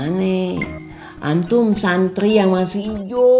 aku adalah santri yang masih hijau